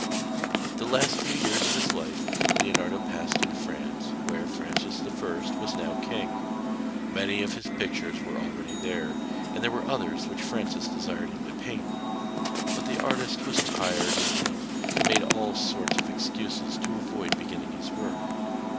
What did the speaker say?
The last few years of his life Leonardo passed in France, where Francis I. was now king. Many of his pictures were already there, and there were others which Francis desired him to paint. But the artist was tired and ill, and made all sorts of excuses to avoid beginning his work.